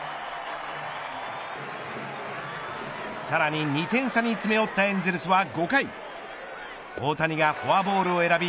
さらに２点差に詰め寄ったエンゼルスは５回大谷がフォアボールを選び